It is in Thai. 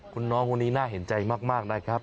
คุณน้องคนนี้น่าเห็นใจมากนะครับ